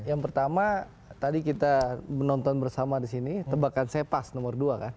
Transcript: yang pertama tadi kita menonton bersama di sini tebakan saya pas nomor dua kan